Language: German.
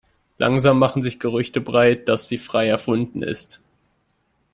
Langsam machen sich Gerüchte breit, dass sie frei erfunden ist.